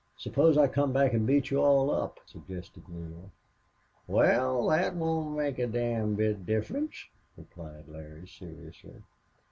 "Suppose I come back and beat you all up?" suggested Neale. "Wal, thet won't make a dam' bit of difference," replied Larry, seriously.